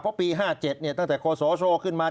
เพราะปี๕๗เนี่ยตั้งแต่โคสอชัวร์ขึ้นมา